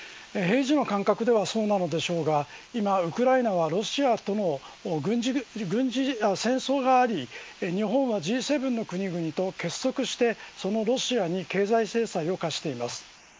平時の感覚ではそうなのでしょうが今、ウクライナはロシアとの戦争があり日本はＧ７の国々と結束してそのロシアに経済制裁を科しています。